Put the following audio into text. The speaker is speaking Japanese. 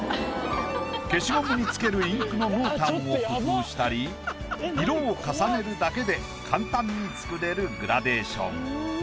消しゴムに付けるインクの濃淡を工夫したり色を重ねるだけで簡単に作れるグラデーション。